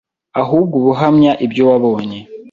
ahubwo uba uhamya ibyo wabonye.